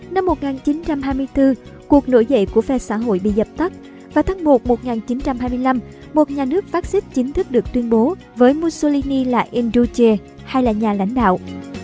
năm một nghìn chín trăm hai mươi bốn cuộc nổi dậy của phe xã hội bị dập tắt và tháng một một nghìn chín trăm hai mươi năm một nhà nước fascist chính thức được tuyên bố với mussolini là induche hay là nhà lãnh đạo